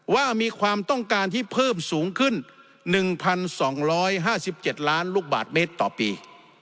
ว่ามีความต้องการที่เพิ่มสูงขึ้น๑๒๕๗ล้านลูกบาทเมตรต่อปี